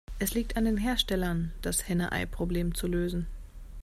Es liegt an den Herstellern, das Henne-Ei-Problem zu lösen.